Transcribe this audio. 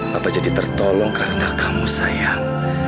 bapak jadi tertolong karena kamu sayang